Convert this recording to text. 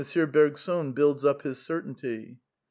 Bergson builds up his certainty.